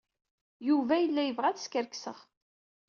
Yuba yella yebɣa ad skerkseɣ.